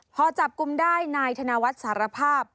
พอจับกลุ่มได้นายธนวัฒน์สารภาพ